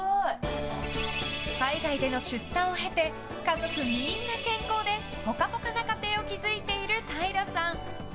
海外での出産を経て家族みんな健康でぽかぽかな家庭を築いている平さん。